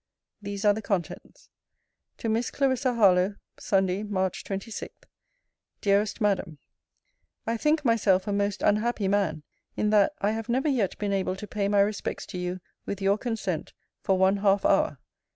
These are the contents: TO MISS CLARISSA HARLOWE SUNDAY, MARCH 26. DEAREST MADAM, I think myself a most unhappy man, in that I have never yet been able to pay my respects to you with youre consent, for one halfe hour.